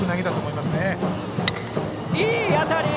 いい当たり！